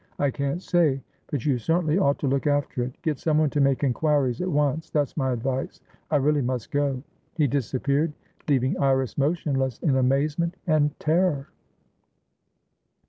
"I can't say, but you certainly ought to look after it. Get someone to make inquiries at once; that's my advice. I really must go." He disappeared, leaving Iris motionless in amazement and terror.